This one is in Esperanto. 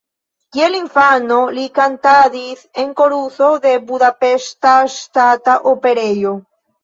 Kiel infano, li kantadis en koruso de Budapeŝta Ŝtata Operejo.